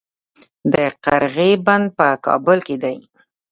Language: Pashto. د قرغې بند په کابل کې دی